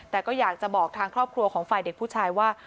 แต่ก็อยากจะบอกทางครอบครัวของฝ่ายเด็กผู้ชายว่า